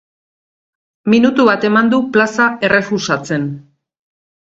Minutu bat eman du plaza errefusatzen.